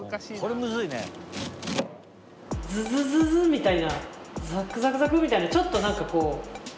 ズズズズみたいなザクザクザクみたいなちょっと何かこう長い振動がきました。